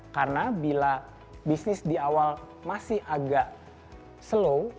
karena bila bisnis di awal masih agak slow